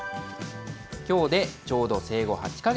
きょうでちょうど生後８か月。